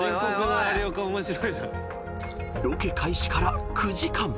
［ロケ開始から９時間］